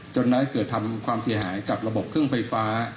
นั้นเกิดทำความเสียหายกับระบบเครื่องไฟฟ้า